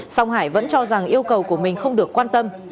song hải vẫn cho rằng yêu cầu của mình không được quan tâm